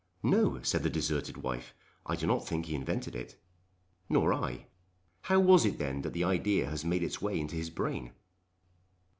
"No," said the deserted wife; "I do not think he invented it." "Nor I. How was it then that the idea has made its way into his brain?"